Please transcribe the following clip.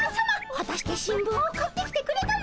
はたして新聞を買ってきてくれたのでしょうか？